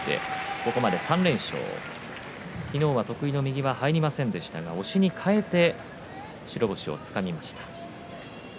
これまで３連勝昨日は得意の右は入りませんでしたが押しに変えて白星をつかみました。